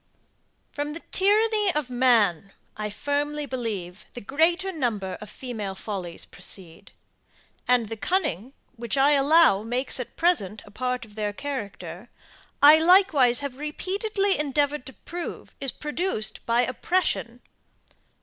>From the tyranny of man, I firmly believe, the greater number of female follies proceed; and the cunning, which I allow, makes at present a part of their character, I likewise have repeatedly endeavoured to prove, is produced by oppression.